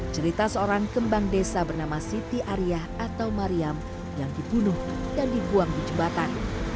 cerita seorang kembang desa bernama siti arya atau mariam yang dibunuh dan dibuang di jembatan